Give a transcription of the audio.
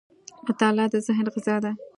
• مطالعه د ذهن غذا ده.